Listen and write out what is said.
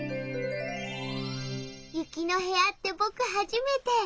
雪の部屋って僕初めて。